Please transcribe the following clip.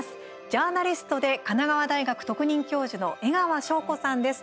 ジャーナリストで神奈川大学特任教授の江川紹子さんです。